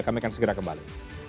kami akan segera kembali